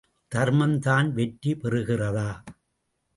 தர்மம் தான் வெற்றி பெறுகிறதா?